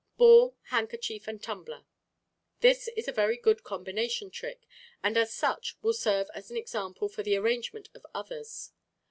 Ball, Handkerchief, and Tumbler.—This is a very good combination trick, and as such will serve as an example for the arrangement of others.